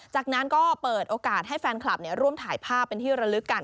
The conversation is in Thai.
จากนั้นก็เปิดโอกาสให้แฟนคลับร่วมถ่ายภาพเป็นที่ระลึกกัน